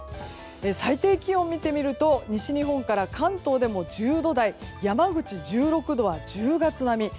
最低気温を見てみると西日本から関東でも１５度台山口は１６度は１０月並み。